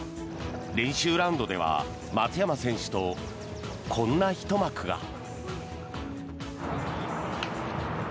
練習ラウンドでは松山選手とこんなひと幕が。